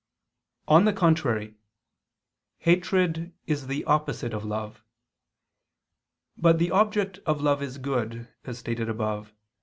On the contrary, Hatred is the opposite of love. But the object of love is good, as stated above (Q.